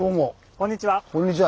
こんにちは。